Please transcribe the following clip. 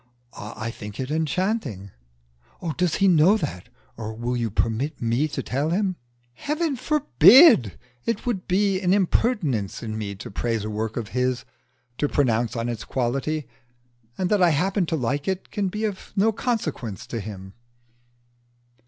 "I think it enchanting." "Does he know that? Or will you permit me to tell him?" "Heaven forbid! It would be an impertinence in me to praise a work of his to pronounce on its quality; and that I happen to like it can be of no consequence to him."